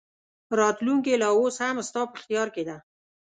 راتلونکې لا اوس هم ستا په اختیار کې ده.